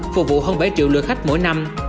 phục vụ hơn bảy triệu lượt khách mỗi năm